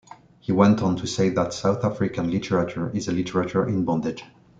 He went on to say that South African literature is a literature in bondage.